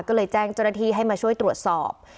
ก็เลยแจ้งเจ้าหน้าที่ให้มาช่วยตรวจสอบ